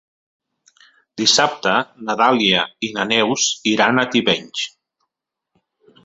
Dissabte na Dàlia i na Neus iran a Tivenys.